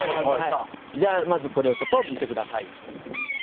じゃあまずこれをちょっと見て下さい。